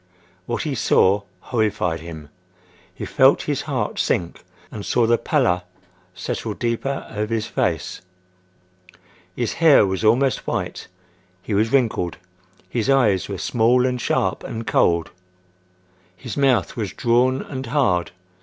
What he saw horrified him. He felt his heart sink and saw the pallor settle deeper over his face. His hair was almost white. He was wrinkled. His eyes were small and sharp and cold. His mouth was drawn and hard.